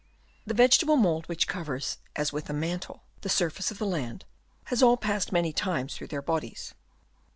The vegetable mould which covers, as with a mantle, the surface of the land, has all passed many times through their bodies.